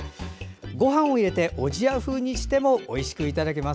ごはんを入れておじや風にしてもおいしくいただけます。